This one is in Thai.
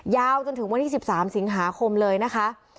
ยาวจนถึงวันที่๑๓สิงหาคมเลยนะคะ